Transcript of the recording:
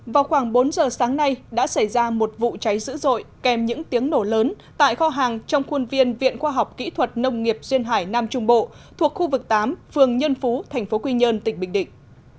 vào khoảng bốn giờ sáng nay đã xảy ra một vụ cháy dữ dội kèm những tiếng nổ lớn tại kho hàng trong khuôn viên viện khoa học kỹ thuật nông nghiệp duyên hải nam trung bộ thuộc khu vực tám phường nhân phú tp quy nhơn tỉnh bình định